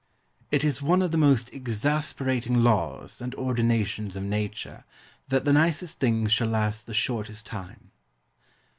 It is one of the most exasperating laws and ordinations of Nature that the nicest things shall last the shortest time.